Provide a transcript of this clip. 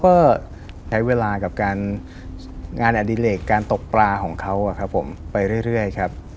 ก็ใช้เวลากับการงานอดิเลกการตกปลาของเขาครับผมไปเรื่อยครับ